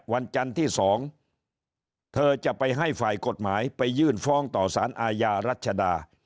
วันจันทร์ที่๒เธอจะไปให้ฝ่ายกฎหมายไปยื่นฟ้องต่อสารอาญารัชดา